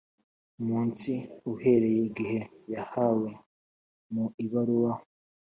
munsi uhereye igihe yahawe mu ibaruwa